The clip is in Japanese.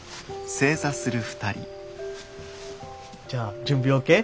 じゃあ準備ＯＫ？